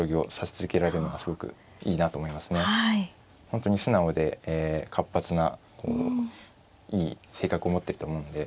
本当に素直で活発ないい性格を持ってると思うので。